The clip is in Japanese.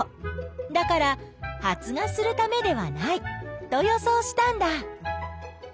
だから発芽するためではないと予想したんだ。